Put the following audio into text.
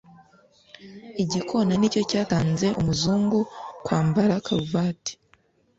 igikona ni cyo cyatanze umuzungu kwambara kaluvate